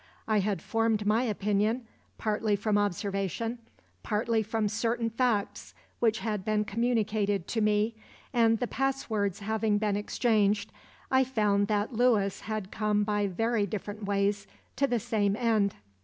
I had formed my opinion, partly from observation, partly from certain facts which had been communicated to me, and the passwords having been exchanged, I found that Lewis had come by very different ways to the same end.